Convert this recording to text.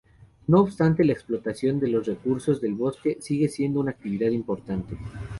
No obstante, la explotación de los recursos del bosque sigue siendo una actividad importante.